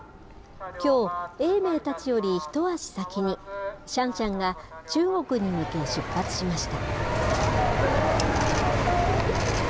きょう、永明たちより一足先に、シャンシャンが中国に向け出発しました。